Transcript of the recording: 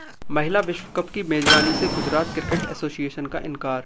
महिला विश्वकप की मेजबानी से गुजरात क्रिकेट एसोसिएशन का इनकार